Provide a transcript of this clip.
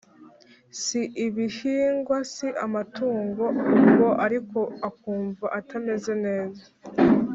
Si ibihingwa si amatungoUbwo ariko akumva atameze neza,